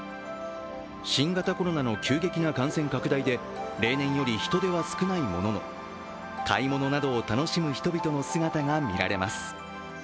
新型コロナの急激な感染拡大で例年より人出は少ないものの買い物などを楽しむ人々の姿が見られます。